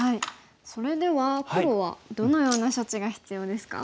それでは黒はどのような処置が必要ですか？